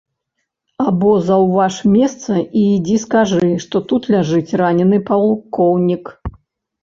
Або заўваж месца і ідзі скажы, што тут ляжыць ранены палкоўнік.